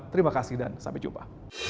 terima kasih dan sampai jumpa